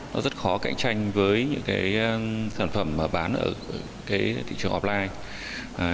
nó rất khó cạnh tranh với những sản phẩm bán ở thị trường offline